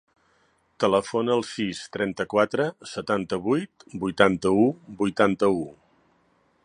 Telefona al sis, trenta-quatre, setanta-vuit, vuitanta-u, vuitanta-u.